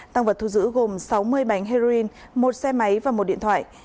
tăng vật thu giữ gồm sáu mươi bánh heroin một xe máy và một điện thoại